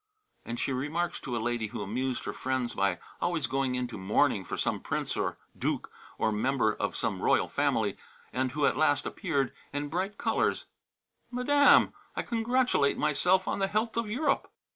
And she remarks to a lady who amused her friends by always going into mourning for some prince, or duke, or member of some royal family, and who at last appeared in bright colors, "Madame, I congratulate myself on the health of Europe."